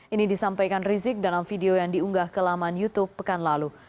ini disampaikan rizik dalam video yang diunggah ke laman youtube pekan lalu